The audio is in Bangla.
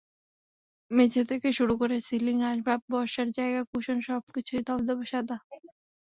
মেঝে থেকে শুরু করে সিলিং, আসবাব, বসার জায়গা, কুশন—সবকিছুই ধবধবে সাদা।